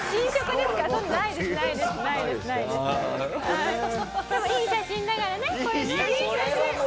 でもいい写真だからねこれね。